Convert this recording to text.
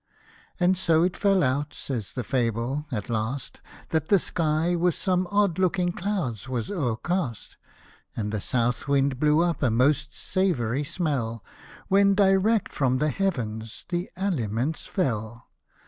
And so it fell out, says the fable, at last That the sky with some odd looking clouds was o'ermt,. And the south wind blew up a most savoury smell, When direct from the heavens the aliments fell